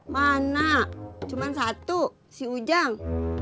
mana cuma satu si ujang